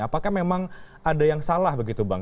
apakah memang ada yang salah begitu bang